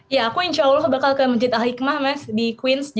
ya aku insya allah bakal ke masjid al hikmah mas di queens